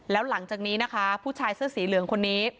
แล้วหลังจากนี้นะคะผู้ชายเสื้อสีเหลืองคนนี้